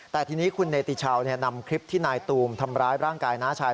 แต่ทีนี้คุณเนติชาวนำคลิปที่นายตูมทำร้ายร่างกายน้าชาย